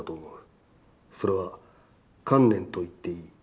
それは観念と言っていい。